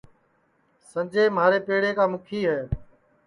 سنجے مھارے پیڑا کا مُکھی ہے